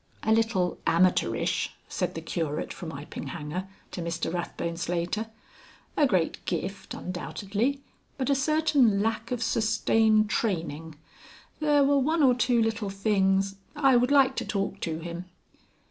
"A little amateurish," said the Curate from Iping Hanger to Mr Rathbone Slater. "A great gift, undoubtedly, but a certain lack of sustained training. There were one or two little things ... I would like to talk to him."